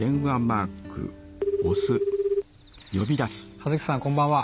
葉月さん、こんばんは。